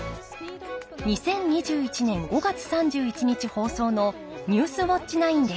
２０２１年５月３１日放送の「ニュースウオッチ９」です。